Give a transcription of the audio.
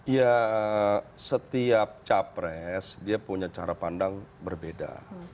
ya setiap capres dia punya cara pandang berbeda